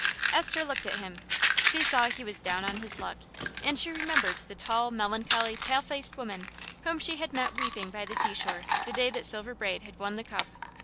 Esther looked at him. She saw he was down on his luck, and she remembered the tall, melancholy, pale faced woman whom she had met weeping by the sea shore the day that Silver Braid had won the cup.